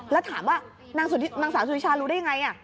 แล้วถามว่านางสาวสุริชารู้ได้ยังไง